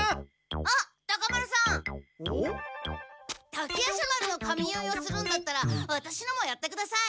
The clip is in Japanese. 滝夜叉丸の髪結いをするんだったらワタシのもやってください。